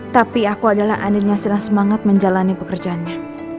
tapi aku adalah adil yang sedang semangat menjalani pekerjaannya